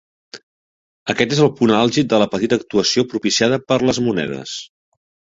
Aquest és el punt àlgid de la petita actuació propiciada per les monedes.